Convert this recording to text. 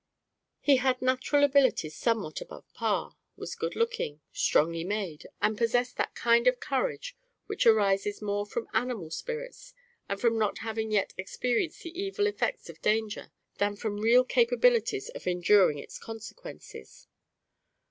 He had natural abilities somewhat above par; was good looking, strongly made, and possessed that kind of courage, which arises more from animal spirits, and from not having yet experienced the evil effects of danger, than from real capabilities of enduring its consequences.